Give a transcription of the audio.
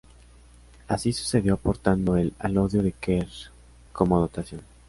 Así sucedió aportando el alodio de Quer como dotación.